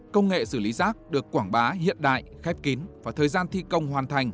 công nghệ xử lý rác được quảng bá hiện đại khép kín và thời gian thi công hoàn thành